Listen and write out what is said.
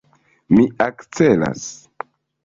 Mi akcelas.